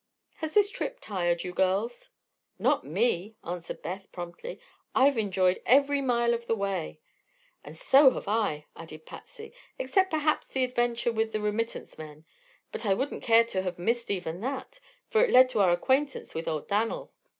Has the trip tired you, girls?" "Not me," answered Beth, promptly. "I've enjoyed every mile of the way." "And so have I," added Patsy; "except perhaps the adventure with the remittance men. But I wouldn't care to have missed even that, for it led to our acquaintance with old Dan'l."